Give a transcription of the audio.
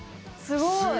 すごい！